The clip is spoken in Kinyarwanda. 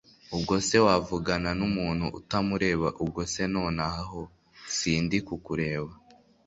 Ubwo se wavugana numuntu utamureba Ubwo se nonaha ho sindi kukureba